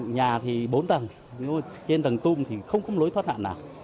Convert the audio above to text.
nhà thì bốn tầng trên tầng tung thì không có lối thoát hạn nào